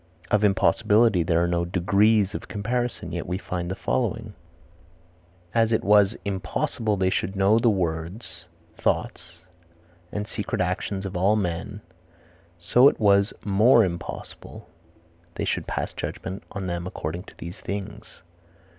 Of impossibility there are no degrees of comparison, yet we find the following: "As it was impossible they should know the words, thoughts and secret actions of all men, so it was more impossible they should pass judgment on them according to these things."